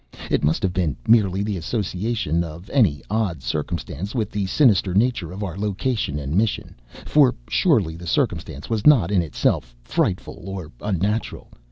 It must have been merely the association of any odd circumstance with the sinister nature of our location and mission, for surely the circumstance was not in itself frightful or unnatural.